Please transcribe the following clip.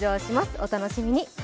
お楽しみに。